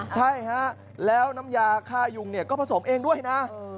ใช่ครับแล้วน้ำยาฆ่ายุ่งก็ผสมเองด้วยนะ